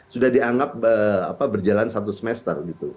sudah dianggap berjalan satu semester